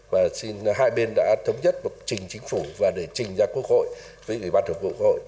và hai bên đã thống nhất một trình chính phủ và để trình ra quốc hội với ủy ban thống quốc hội